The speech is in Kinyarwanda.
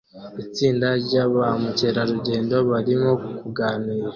Itsinda rya ba mukerarugendo barimo kuganira